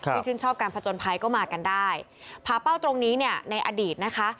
ชื่นชอบการผจญภัยก็มากันได้ผาเป้าตรงนี้เนี่ยในอดีตนะคะ